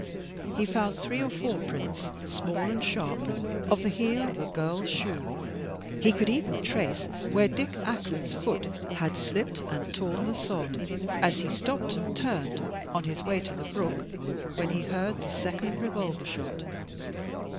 He found three or four prints, small and sharp, of the heel of a girl's shoe. He could even trace where Dick Ackland's foot had slipped and torn the sod as he stopped and turned on his way to the brook when he heard the second revolver shot.